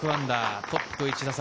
トップと１打差。